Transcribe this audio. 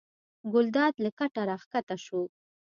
ګلداد له کټه راکښته شو.